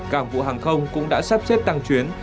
cảng vụ hàng không cũng đã sắp xếp tăng chuyến